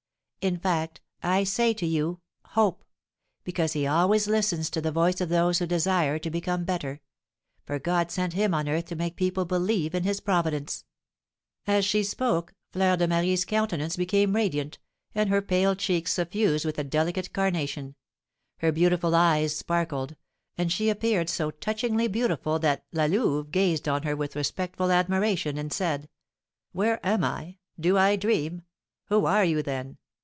In fact, I say to you, Hope! because he always listens to the voice of those who desire to become better; for God sent him on earth to make people believe in his providence!" [Illustration: La Goualeuse in the prison. Original Etching by Adrian Marcel.] As she spoke, Fleur de Marie's countenance became radiant, and her pale cheeks suffused with a delicate carnation; her beautiful eyes sparkled, and she appeared so touchingly beautiful that La Louve gazed on her with respectful admiration, and said: "Where am I? Do I dream? Who are you, then?